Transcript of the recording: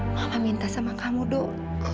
mama minta sama kamu dok